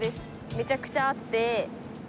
めちゃくちゃあって。